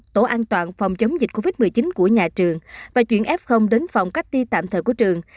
tổ an toàn phòng chống dịch covid một mươi chín của nhà trường và chuyển f đến phòng cách ly tạm thời của trường